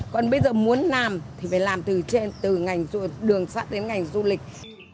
còn bây giờ muốn làm thì phải làm từ trên từ ngành đường sắt đến ngành du lịch